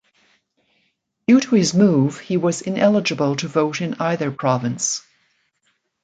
Due to his move he was ineligible to vote in either province.